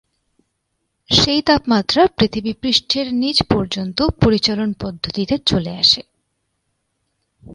সেই তাপমাত্রা পৃথিবী পৃষ্ঠের নীচ পর্যন্ত পরিচলন পদ্ধতিতে চলে আসে।